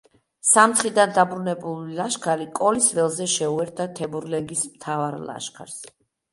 სამცხიდან დაბრუნებული ლაშქარი კოლის ველზე შეუერთდა თემურლენგის მთავარ ლაშქარს.